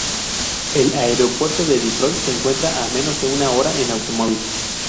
El aeropuerto de Detroit se encuentra a menos de una hora en automóvil.